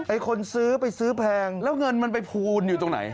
คนซื้อไปซื้อแพงแล้วเงินมันไปพูนอยู่ตรงไหน